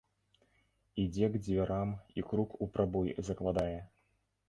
Ідзе к дзвярам і крук у прабой закладае.